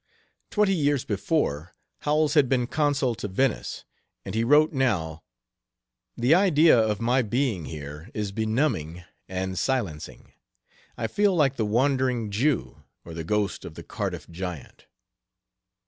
Twenty years before Howells had been Consul to Venice, and he wrote, now: "The idea of my being here is benumbing and silencing. I feel like the Wandering Jew, or the ghost of the Cardiff giant."